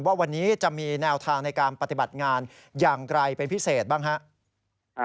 ว่าวันนี้จะมีแนวทางในการปฏิบัติงานอย่างไกลเป็นพิเศษบ้างครับ